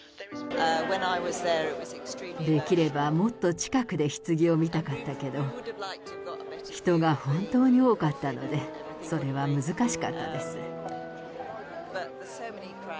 できれば、もっと近くでひつぎを見たかったけど、人が本当に多かったので、それは難しかったです。